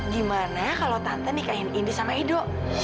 gimana kalau tante nikahin indi sama ido